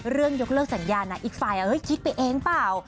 เรื่องยกเลิกสัญญาอีกฝ่ายคลิกไปเองเปล่า